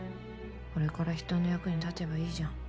これから人の役に立てばいいじゃん。